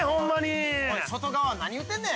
◆ちょっと外側、何言うてんねん。